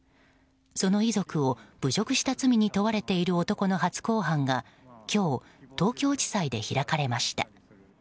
その遺族を侮辱した罪に問われている男の初公判が今日、東京地裁で開かれました。